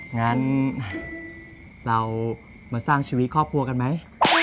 งั้นเรามาสร้างชีวิตครอบครัวกันไหม